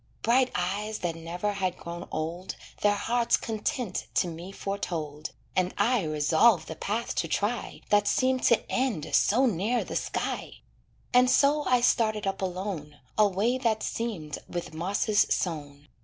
Bright eyes that never had grown old Their heart's content to me foretold, And I resolved the path to try That seemed to end so near the sky; And so I started up alone, A way that seemed with mosses sown.